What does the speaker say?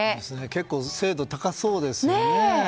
結構、精度高そうですよね。